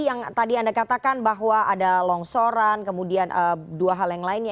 yang tadi anda katakan bahwa ada longsoran kemudian dua hal yang lainnya